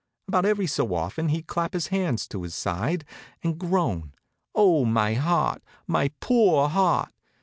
About every so often he'd clap his hands to his side and groan: "Oh, my heart! My poor heart!"